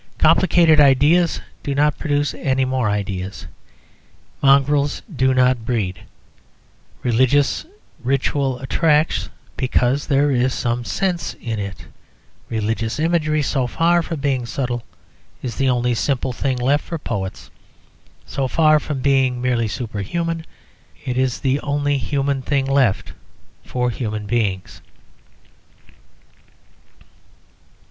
Complicated ideas do not produce any more ideas. Mongrels do not breed. Religious ritual attracts because there is some sense in it. Religious imagery, so far from being subtle, is the only simple thing left for poets. So far from being merely superhuman, it is the only human thing left for human beings.